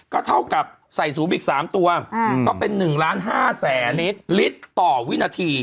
ก็เท่ากับใส่สูงอีก๓ตัวก็เป็น๑๕๐๐๐ลิตรต่อวินาที